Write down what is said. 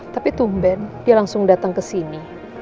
tapi tumben dia langsung datang ke sini